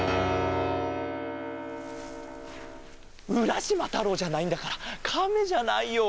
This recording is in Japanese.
うらしまたろうじゃないんだからカメじゃないよ。